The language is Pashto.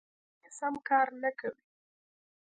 مایک مې سم کار نه کوي.